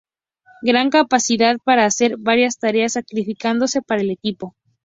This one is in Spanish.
Gran capacidad para hacer varias tareas sacrificándose para el equipo.